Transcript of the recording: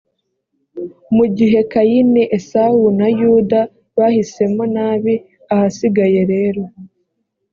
mu gihe kayini esawu na yuda bahisemo nabi ahasigaye rero